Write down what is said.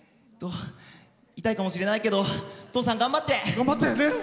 痛いかもしれないけど父さん、頑張って！